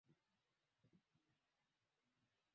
Hakuna asiyejua tena kuwa uchumi wa Buluu una faida kubwa sana